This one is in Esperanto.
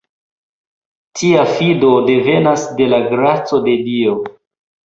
Tia fido devenas de la graco de Dio.